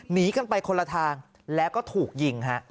หนีกันไปคนละทางแล้วก็ถูกยิงฮะ